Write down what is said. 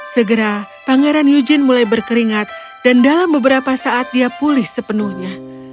segera pangeran eugene mulai berkeringat dan dalam beberapa saat dia pulih sepenuhnya